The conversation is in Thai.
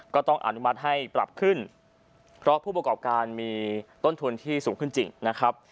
ก็ต้องอนุมัติให้ปรับขึ้นเพราะผู้ประกอบการมีต้นทุนที่สูงขึ้นจริงนะครับ